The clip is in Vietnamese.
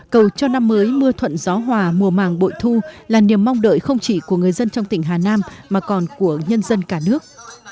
cầu cho năm mới mưa thuận gió hòa mùa màng bội thu là niềm mong đợi không chỉ của người dân trong tỉnh hà nam mà còn của nhân dân cả nước